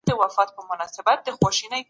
ولي د فابریکو موقعیت د لوجستیک لګښت بدلوي؟